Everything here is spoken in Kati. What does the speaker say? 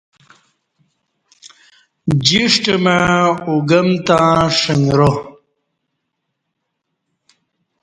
جِݜٹہ مع اوگعمتاں ݜنگرا